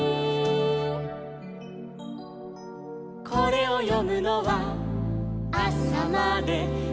「これをよむのはあさまでかかるね」